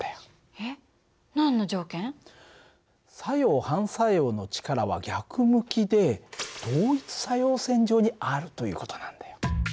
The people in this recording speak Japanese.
えっ何の条件？作用・反作用の力は逆向きで同一作用線上にあるという事なんだよ。